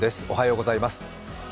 おはようございます。